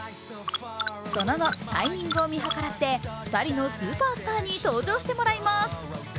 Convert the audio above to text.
その後タイミングを見計らって２人のスーパースターに登場してもらいます。